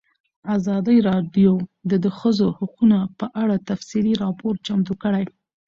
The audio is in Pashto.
ازادي راډیو د د ښځو حقونه په اړه تفصیلي راپور چمتو کړی.